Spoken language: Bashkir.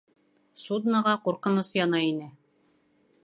Судноға ҡурҡыныс янай ине.